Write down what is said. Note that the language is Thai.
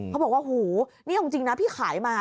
เขาบอกว่าหูนี่เอาจริงนะพี่ขายมา